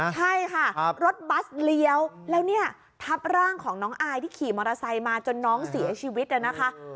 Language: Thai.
ใช่ค่ะรถบัสเลี้ยวแล้วเนี่ยทับร่างของน้องอายที่ขี่มอเตอร์ไซค์มาจนน้องเสียชีวิตนะคะ